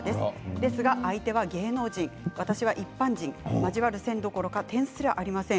ですが相手は芸能人私は一般人、交わる線どころか点すらもありません。